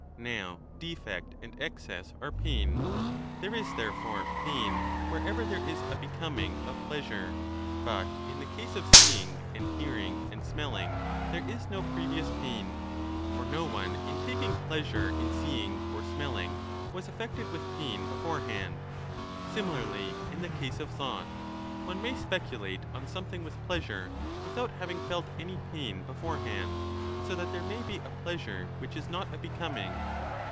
Now defect and excess are pain. There is therefore pain wherever there is a becoming of pleasure. But in the case of seeing and hearing and 15 smelling there is no previous pain. For no one in taking pleasure in seeing or smelling was affected with pain before hand. Similarly in the case of thought. One may specu late on something with pleasure without having felt any pain beforehand. So that there may be a pleasure which is not a becoming.